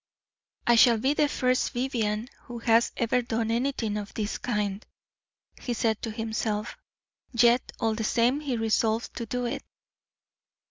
"I shall be the first Vivianne who has ever done anything of this kind," he said to himself, yet all the same he resolved to do it.